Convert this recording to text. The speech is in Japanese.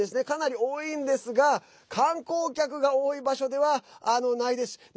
かなり多いんですが観光客が多い場所ではないです。